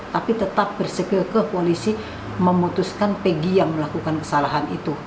tapi tetap bersekil ke polisi memutuskan peggy yang melakukan kesalahan itu